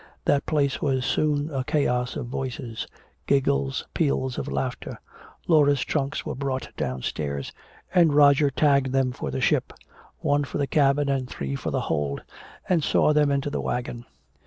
That place was soon a chaos of voices, giggles, peals of laughter. Laura's trunks were brought downstairs, and Roger tagged them for the ship, one for the cabin and three for the hold, and saw them into the wagon.